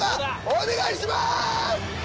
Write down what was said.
お願いしまーす！